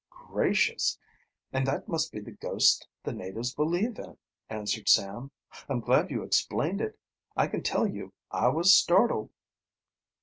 "Gracious! And that must be the ghost the natives believe in," answered Sam. "I'm glad you explained it. I can tell you I was startled."